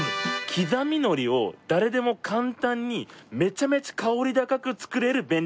刻みのりを誰でも簡単にめちゃめちゃ香り高く作れる便利グッズなんです。